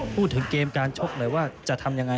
พูดถึงเกมการชกหน่อยว่าจะทำยังไง